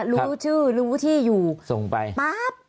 รู้ชื่อรู้ที่อยู่ส่งไปปั๊บ